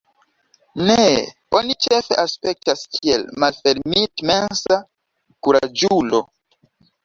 Ne, oni ĉefe aspektas kiel malfermitmensa kuraĝulo.